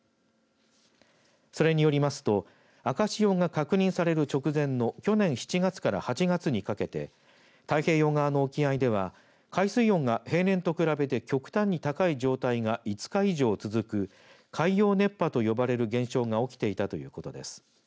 それによりますと赤潮が確認される直前の去年７月から８月にかけて太平洋側の沖合では海水温が平年と比べて極端に高い状態が５日以上続く海洋熱波と呼ばれる現象が起きていたということです。